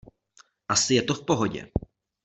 Asi je to v pohodě.